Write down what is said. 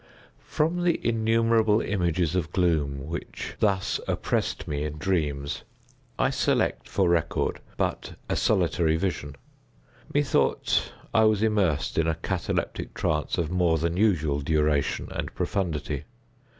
From the innumerable images of gloom which thus oppressed me in dreams, I select for record but a solitary vision. Methought I was immersed in a cataleptic trance of more than usual duration and profundity.